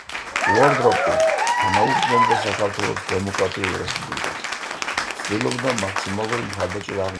უორდროპი თანაუგრძნობდა საქართველოს დემოკრატიულ რესპუბლიკას, ცდილობდა მაქსიმალური მხარდაჭერა აღმოეჩინა მისთვის.